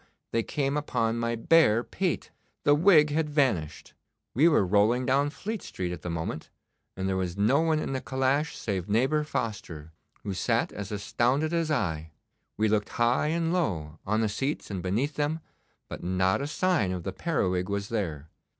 they came upon my bare pate. The wig had vanished. We were rolling down Fleet Street at the moment, and there was no one in the calash save neighbour Foster, who sat as astounded as I. We looked high and low, on the seats and beneath them, but not a sign of the periwig was there.